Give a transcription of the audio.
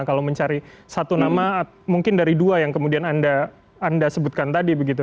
kalau mencari satu nama mungkin dari dua yang kemudian anda sebutkan tadi begitu